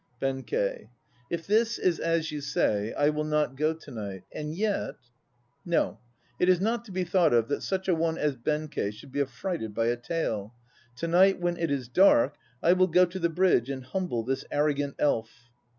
BENKEI. If this is as you say, I will not go to night; and yet ... No. It is not to be thought of that such a one as Benkei should be affrighted by a tale. To night when it is dark I will go to the bridge and hum ble this arrogant elf.